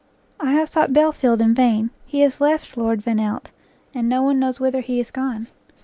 I have sought Belfield in vain; he has left Lord Vannelt, and no one knows whither he is gone.